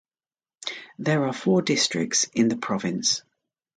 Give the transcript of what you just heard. There are four districts in the province.